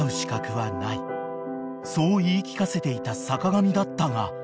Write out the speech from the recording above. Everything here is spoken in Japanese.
［そう言い聞かせていた坂上だったが］